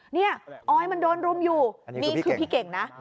นี่ออยมันโดนรุมอยู่นี่คือพี่เก่งนะ